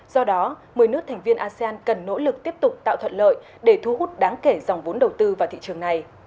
do đó một mươi nước thành viên asean cần nỗ lực tiếp tục tạo thuận lợi để thu hút đáng kể dòng vốn đầu tư vào thị trường này